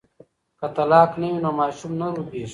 که طلاق نه وي نو ماشوم نه روبیږي.